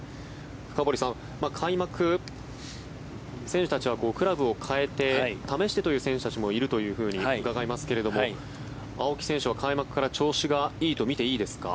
深堀さん、開幕選手たちはクラブを変えて試してという選手たちもいるというふうに伺いますけれども青木選手は開幕から調子がいいとみていいですか？